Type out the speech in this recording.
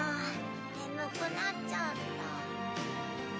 眠くなっちゃった。